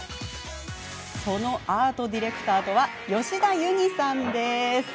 そのアートディレクターとは吉田ユニさん。